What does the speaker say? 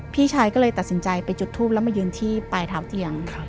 พี่ชายก็เลยตัดสินใจไปจุดทูปแล้วมายืนที่ปลายเท้าเตียง